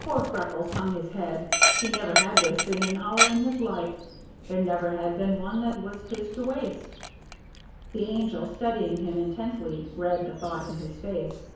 Poor Freckles hung his head. He never had wasted an hour in his life. There never had been one that was his to waste. The Angel, studying him intently, read the thought in his face.